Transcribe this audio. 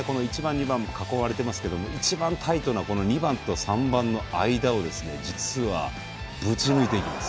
１番、２番が囲われていますが一番タイトな２番と３番の間をぶち抜いていきます。